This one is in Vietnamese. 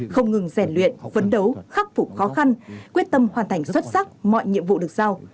không ngừng rèn luyện phấn đấu khắc phục khó khăn quyết tâm hoàn thành xuất sắc mọi nhiệm vụ được giao